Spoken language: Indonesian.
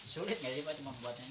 sulit nggak sih pak cuma buatnya